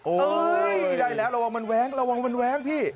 เอ้ยได้แล้วระวังมันแว้งระวังมันแว้งพี่